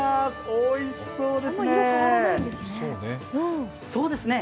おいしそうですね。